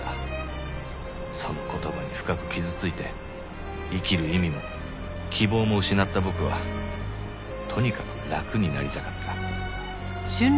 その言葉に深く傷ついて生きる意味も希望も失った僕はとにかく楽になりたかった。